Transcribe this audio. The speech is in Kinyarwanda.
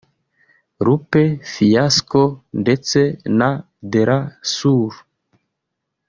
Lupe Fiasco ndetse na Dela Soul